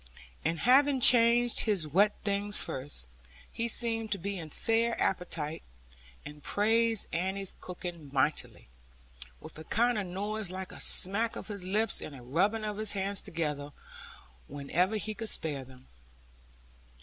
And having changed his wet things first, he seemed to be in fair appetite, and praised Annie's cooking mightily, with a kind of noise like a smack of his lips, and a rubbing of his hands together, whenever he could spare them.